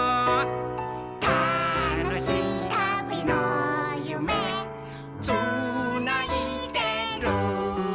「たのしいたびのゆめつないでる」